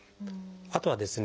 あとはですね